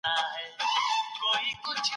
تاسي باید خپل سبقونه هره ورځ تکرار کړئ.